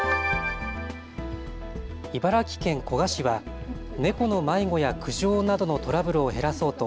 茨城県古河市はネコの迷子や苦情などのトラブルを減らそうと